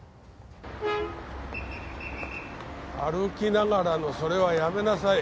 歩きながらのそれはやめなさい！